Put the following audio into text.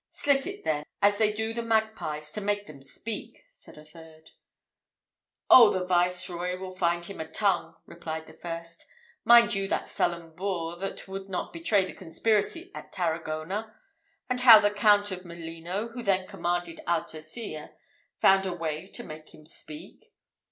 "Slit it then, as they do the magpies to make them speak," said a third. "Ob, the viceroy will find him a tongue," replied the first. "Mind you that sullen boor, that would not betray the conspiracy at Taragona; and how the Count of Molino, who then commanded our tercia, found a way to make him speak?"